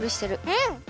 うん！